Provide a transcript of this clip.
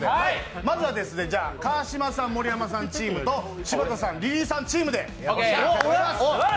まずは川島さん、盛山さんチームと柴田さん、リリーさんチームで。